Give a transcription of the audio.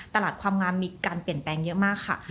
ตลาดความงามมีการเปลี่ยนแปลงอีกมากค่ะ